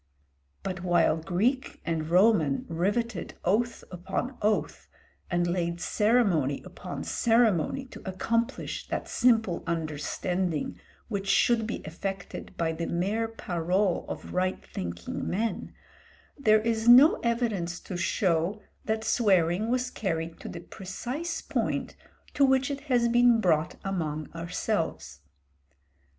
But while Greek and Roman riveted oath upon oath and laid ceremony upon ceremony, to accomplish that simple understanding which should be effected by the mere parole of right thinking men, there is no evidence to show that swearing was carried to the precise point to which it has been brought among ourselves.